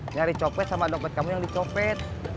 nyari copet sama dokpet kamu yang dicopet